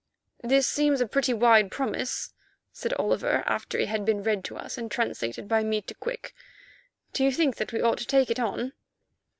"This seems a pretty wide promise," said Oliver, after it had been read to us and translated by me to Quick. "Do you think that we ought to take it on?"